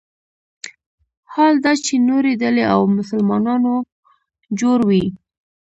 حال دا چې نورې ډلې له مسلمانانو جوړ وي.